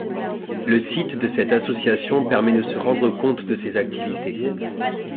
Le site de cette association permet de se rendre compte de ses activités.